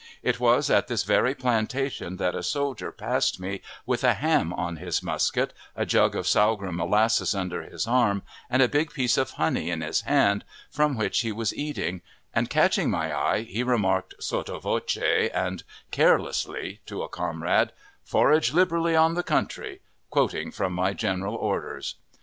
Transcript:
It was at this very plantation that a soldier passed me with a ham on his musket, a jug of sorghum molasses under his arm, and a big piece of honey in his hand, from which he was eating, and, catching my eye, he remarked sotto voce and carelessly to a comrade, "Forage liberally on the country," quoting from my general orders.